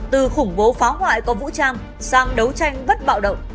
từ khủng bố phá hoại có vũ trang sang đấu tranh bất bạo động